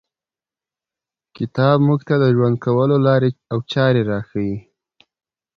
کتاب موږ ته د ژوند کولو لاري او چاري راښیي.